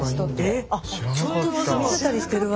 えっちょっとずつ見せたりしてるわけ。